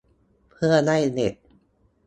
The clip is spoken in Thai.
เพื่อให้เด็ก